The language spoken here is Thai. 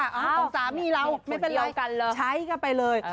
ของสามีเราไม่เป็นไรใช้กันไปเลย